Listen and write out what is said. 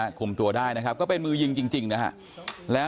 คุมตัวได้นะครับก็เป็นมือยิงจริงนะฮะแล้ว